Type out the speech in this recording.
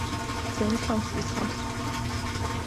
ბრძენი ხამს ისხამს